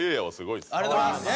ありがとうございます。